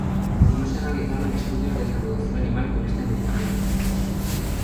No se realizaron estudios de reproducción animal con este medicamento.